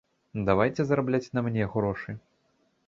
Давайце зарабляць на мне грошы!